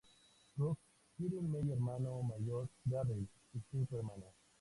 Cook tiene un medio hermano mayor, Darryl, y cinco hermanas.